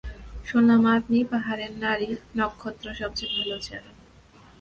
শুনলাম আপনিই পাহাড়ের নারী-নক্ষত্র সবচেয়ে ভালো জানেন।